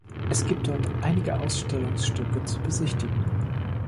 Es gibt dort einige Ausstellungsstücke zu besichtigen.